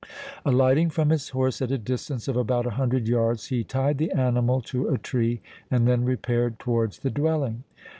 Alighting from his horse at a distance of about a hundred yards, he tied the animal to a tree, and then repaired towards the dwelling.